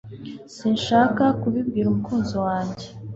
Sinshaka kubibwira umukunzi wanjye